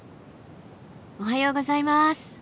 おはようございます。